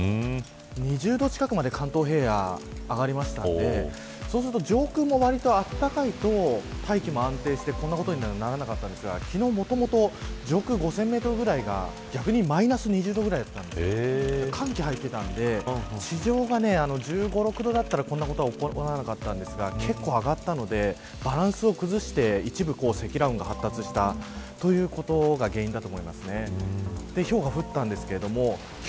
２０度近くまで関東平野、上がりましたのでそうすると上空も割とあったかいと大気も安定して、こんなことにはならなかったんですが昨日、もともと上空５０００メートルぐらいが逆にマイナス２０度ぐらいだったので寒気が入っていたので地上が１５１６度だったらこんなことにはならなかったんですが結構上がったのでバランスを崩して積乱雲が発達したということが原因だと思います。